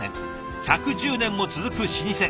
１１０年も続く老舗。